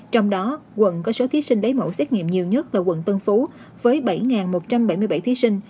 trong đó quận có số thí sinh lấy mẫu xét nghiệm nhiều nhất là quận tân phú với bảy một trăm bảy mươi bảy thí sinh